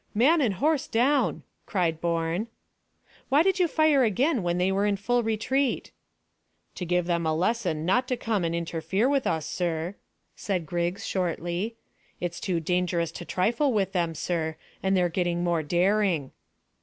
"Man and horse down," cried Bourne. "Why did you fire again when they were in full retreat?" "To give them a lesson not to come and interfere with us, sir," said Griggs shortly. "It's too dangerous to trifle with them, sir, and they're getting more daring."